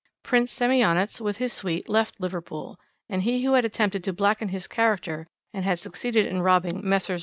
"Prince Semionicz, with his suite, left Liverpool, and he who had attempted to blacken his character, and had succeeded in robbing Messrs.